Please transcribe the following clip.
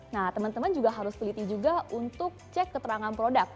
nah teman teman juga harus teliti juga untuk cek keterangan produk